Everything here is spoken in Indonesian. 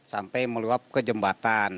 sampai meluap ke jembatan